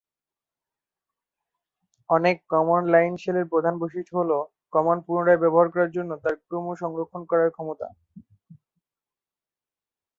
অনেক command line শেলের প্রধান বৈশিষ্ট্য হল কমান্ড পুনরায় ব্যবহার করার জন্য তার ক্রম সংরক্ষণ করার ক্ষমতা।